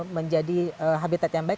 menjadi habitat yang baik